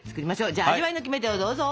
じゃあ味わいのキメテをどうぞ。